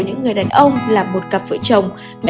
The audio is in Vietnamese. những người đàn ông là một cặp vợ chồng